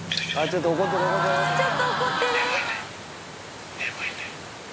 ちょっと怒ってる。